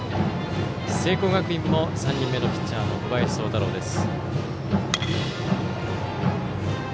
聖光学院も３人目のピッチャー小林聡太朗です。